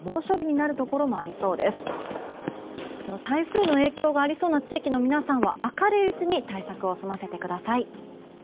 台風の影響がありそうな地域の皆さんは明るいうちに対策を済ませてください。